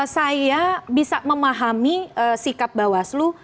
saya bisa memahami sikap bawaslu